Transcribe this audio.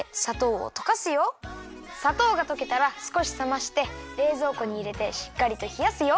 さとうがとけたらすこしさましてれいぞうこにいれてしっかりとひやすよ。